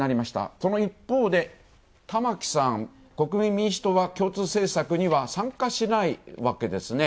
その一方で、玉木さん、国民民主党は共通政策には参加しないわけですよね。